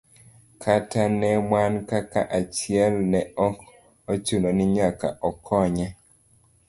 Kata ne wan kaka achiel ne ok ochuno ni nyaka akonye.